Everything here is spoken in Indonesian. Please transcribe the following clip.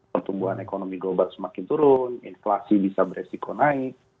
pertumbuhan ekonomi global semakin turun inflasi bisa beresiko naik